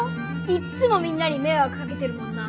いっつもみんなにめいわくかけてるもんな。